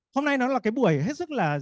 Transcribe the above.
hôm nay nó là cái buổi hết sức là